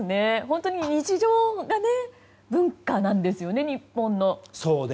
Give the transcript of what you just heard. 本当に日常がね文化なんですよね、日本の。